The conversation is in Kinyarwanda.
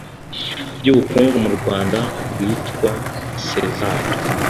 by ubukungu mu rwanda rwitwa sezar